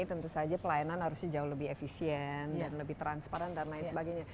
tentu saja pelayanan harusnya jauh lebih efisien dan lebih transparan dan lain sebagainya